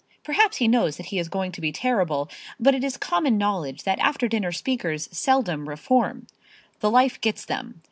Perhaps he knows that he is going to be terrible, but it is common knowledge that after dinner speakers seldom reform. The life gets them.